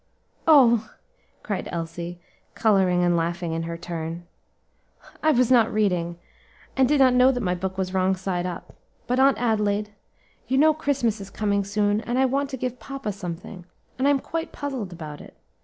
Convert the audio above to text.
"Oh!" cried Elsie, coloring and laughing in her turn, "I was not reading, and did not know that my book was wrong side up. But, Aunt Adelaide, you know Christmas is coming soon, and I want to give papa something, and I am quite puzzled about it.